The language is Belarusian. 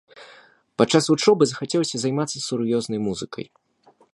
Падчас вучобы захацелася займацца сур'ёзнай музыкай.